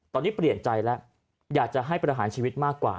ตอนนี้เปลี่ยนใจแล้วอยากจะให้ประหารชีวิตมากกว่า